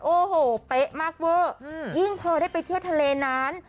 โอ้โหเป๊ะมากเวอร์ยิ่งพอได้ไปเที่ยวทะเลนั้น